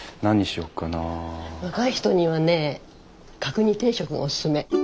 若い人にはね角煮定食がおすすめ。